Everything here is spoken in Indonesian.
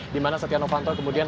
di mana setia novanto kemudian